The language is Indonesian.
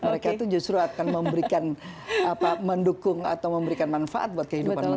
mereka itu justru akan memberikan mendukung atau memberikan manfaat buat kehidupan manusia